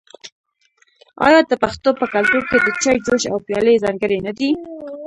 آیا د پښتنو په کلتور کې د چای جوش او پیالې ځانګړي نه دي؟